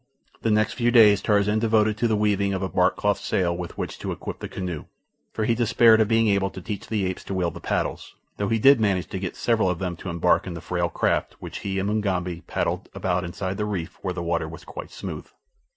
The next few days Tarzan devoted to the weaving of a barkcloth sail with which to equip the canoe, for he despaired of being able to teach the apes to wield the paddles, though he did manage to get several of them to embark in the frail craft which he and Mugambi paddled about inside the reef where the water was quite smooth.